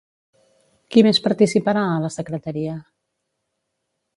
Qui més participarà a la secretaria?